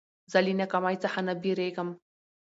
زه له ناکامۍ څخه نه بېرېږم.